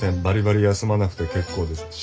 バリバリ休まなくて結構です。